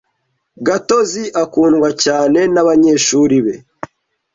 Gatozi akundwa cyane nabanyeshuri be.